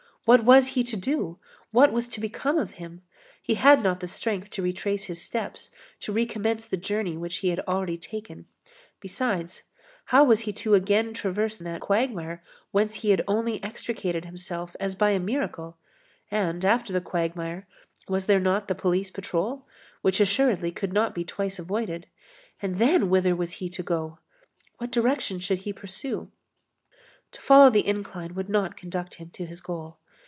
What was he to do? What was to become of him? He had not the strength to retrace his steps, to recommence the journey which he had already taken. Besides, how was he to again traverse that quagmire whence he had only extricated himself as by a miracle? And after the quagmire, was there not the police patrol, which assuredly could not be twice avoided? And then, whither was he to go? What direction should he pursue? To follow the incline would not conduct him to his goal.